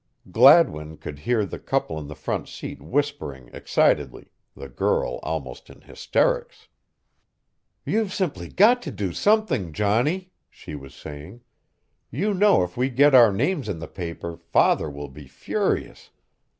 Gladwin could hear the couple on the front seat whispering excitedly, the girl almost in hysterics. "You've simply got to do something, Johnny," she was saying. "You know if we get our names in the paper father will be furious.